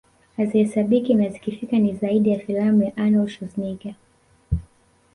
hazihesabiki na zikifika ni zaidi ya filamu ya Arnold Schwarzenegger